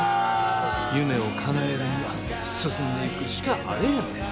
夢をかなえるには進んでいくしかあれへんねん。